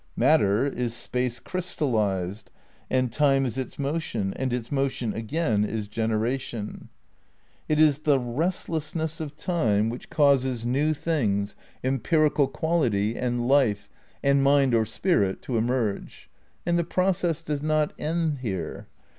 Mat ter is Space crystallised, and Time is its motion, and its motion, again, is generation. It is the "restless ness of Time" which causes new things, empirical V THE CRITICAL PREPARATIONS 165 quality, and life, and mind or spirit to emerge. And the process does not end here.